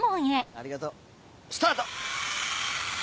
ありがとう。スタート！